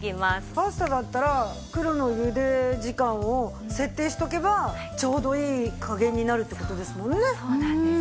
パスタだったら袋の茹で時間を設定しておけばちょうどいい加減になるって事ですもんね。